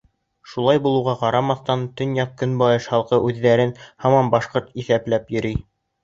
Шулай булыуға ҡарамаҫтан, төньяҡ-көнбайыш халҡы үҙҙәрен һаман башҡорт иҫәпләп йөрөнө.